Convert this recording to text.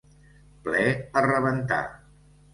Ple a rebentar.